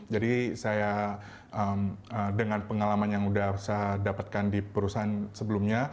jadi saya dengan pengalaman yang udah saya dapatkan di perusahaan sebelumnya